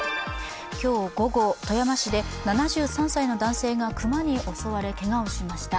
今日午後、富山市で７３歳の男性が熊に襲われ、けがをしました。